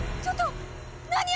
ちょっと何？